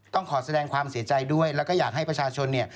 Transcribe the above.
ต้องขอแสดงความเสียใจด้วยแล้วก็อยากให้ประชาชนเนี่ย